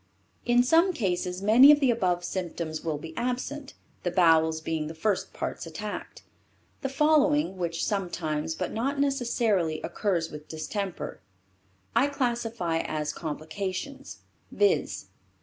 In some cases many of the above symptoms will be absent, the bowels being the first parts attacked. The following, which sometimes, but not necessarily, occur with distemper, I classify as complications, viz.